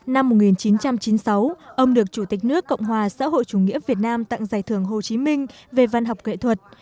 năm một nghìn chín trăm chín mươi sáu ông được chủ tịch nước cộng hòa xã hội chủ nghĩa việt nam tặng giải thưởng hồ chí minh về văn học nghệ thuật